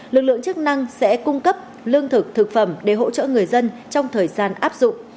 lực lượng chức năng sẽ cung cấp lương thực thực phẩm để hỗ trợ người dân trong thời gian áp dụng